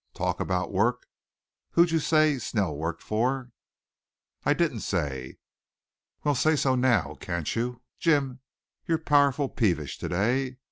Talking about work who'd you say Snell worked for?" "I didn't say." "Well, say so now, can't you? Jim, you're powerful peevish to day.